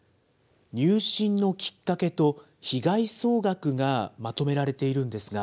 入信のきっかけと、被害総額がまとめられているんですが。